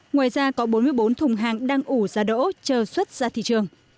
ngoài ra có bốn mươi bốn thùng hàng đang ủ ra đỗ chờ xuất ra thị trường